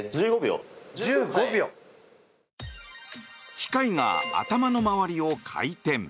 機械が頭の周りを回転。